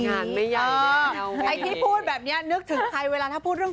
กิริตเอ่อไอที่พูดแบบเนี้ยนึยมึงธัยเวลาถ้าพูดเรื่อง